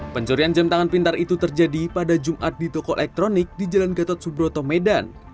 pencurian jam tangan pintar itu terjadi pada jumat di toko elektronik di jalan gatot subroto medan